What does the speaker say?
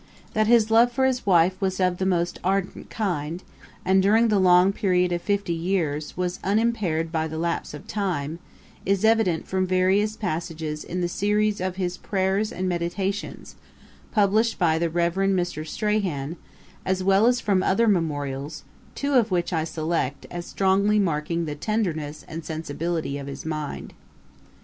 That his love for his wife was of the most ardent kind, and, during the long period of fifty years, was unimpaired by the lapse of time, is evident from various passages in the series of his Prayers and Meditations, published by the Reverend Mr. Strahan, as well as from other memorials, two of which I select, as strongly marking the tenderness and sensibility of his mind.